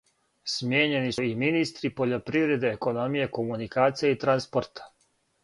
Смијењени су и министри пољопривреде, економије, комуникација и транспорта.